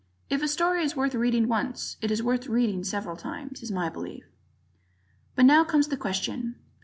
If a story is worth reading once it is worth reading several times, is my belief. But now comes the question.